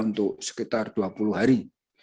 untuk sekitar dua puluh hari